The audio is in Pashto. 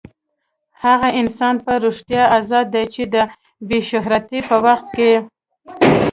هغه انسان په رښتیا ازاد دی چې د بې شهرتۍ په وخت کې.